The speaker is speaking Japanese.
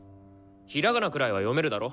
ひらがなくらいは読めるだろ？